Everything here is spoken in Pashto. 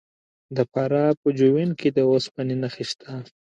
د فراه په جوین کې د وسپنې نښې شته.